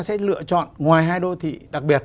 sẽ lựa chọn ngoài hai đô thị đặc biệt